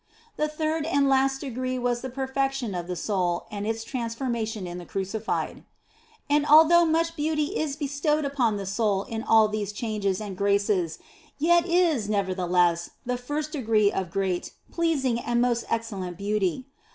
The third and last degree was the perfection of the soul and its transformation in the Crucified. And although much beauty is bestowed upon the soul in all these changes and graces, yet is nevertheless the first degree of great, pleasing and most excellent beauty.